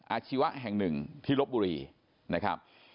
อาชีวะแห่งหนึ่งที่ลบบุรีนะครับ